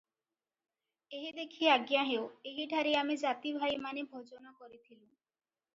ଏହି ଦେଖି ଆଜ୍ଞାହେଉ, ଏହିଠାରେ ଆମେ ଜାତିଭାଇମାନେ ଭୋଜନ କରିଥିଲୁଁ ।